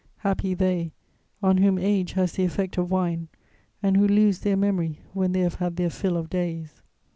Happy they on whom age has the effect of wine and who lose their memory when they have had their fill of days!